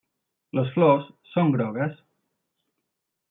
Les flors són grogues.